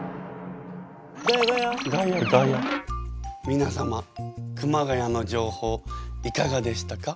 みなさま熊谷の情報いかがでしたか？